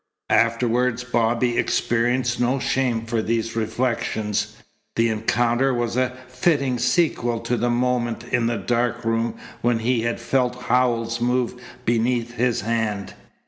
Afterward Bobby experienced no shame for these reflections. The encounter was a fitting sequel to the moment in the dark room when he had felt Howells move beneath his hand.